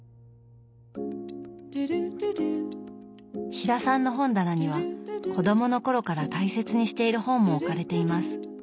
飛田さんの本棚には子供の頃から大切にしている本も置かれています。